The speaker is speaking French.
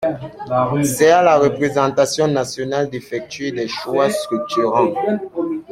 C’est à la représentation nationale d’effectuer des choix structurants.